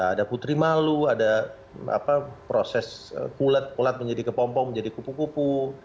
ada putri malu ada proses kulat kulat menjadi kepompong menjadi kupu kupu